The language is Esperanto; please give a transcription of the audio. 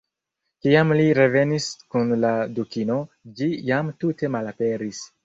Kiam li revenis kun la Dukino, ĝi jam tute malaperis.